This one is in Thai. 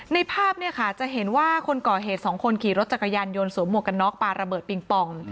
ภาพเนี่ยค่ะจะเห็นว่าคนก่อเหตุสองคนขี่รถจักรยานยนต์สวมหมวกกันน็อกปลาระเบิดปิงปอง